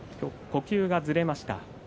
呼吸がずれました。